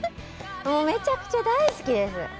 もうめちゃくちゃ大好きです。